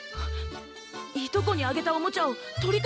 いとこにあげたおもちゃを取り返したいんだ！